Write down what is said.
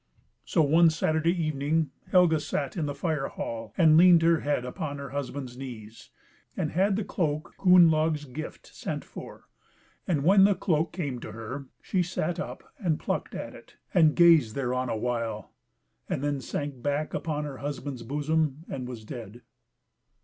So one Saturday evening Helga sat in the fire hall, and leaned her head upon her husband's knees, and had the cloak Gunnlaug's gift sent for; and when the cloak came to her she sat up and plucked at it, and gazed thereon awhile, and then sank back upon her husband's bosom, and was dead.